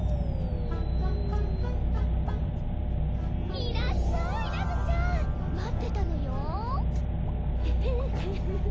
いらっしゃいラムちゃん待ってたのよ。